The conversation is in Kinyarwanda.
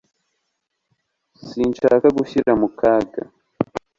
sinshaka gushyira mu kaga